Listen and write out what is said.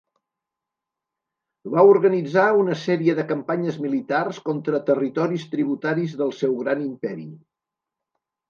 Va organitzar una sèrie de campanyes militars contra territoris tributaris del seu gran imperi.